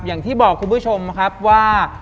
อย่างที่บอกคุณผู้ชมครับว่า